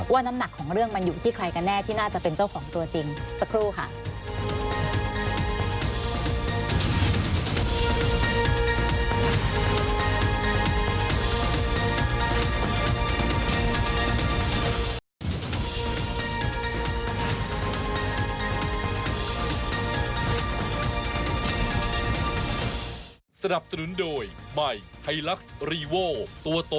น้ำหนักของเรื่องมันอยู่ที่ใครกันแน่ที่น่าจะเป็นเจ้าของตัวจริงสักครู่ค่ะ